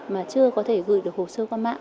mà chưa có thể gửi được hồ sơ qua mạng